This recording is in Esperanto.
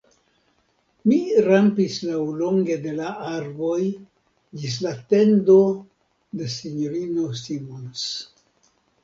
Mi rampis laŭlonge de la arboj ĝis la tendo de S-ino Simons.